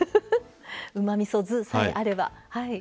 うまみそ酢さえあれば。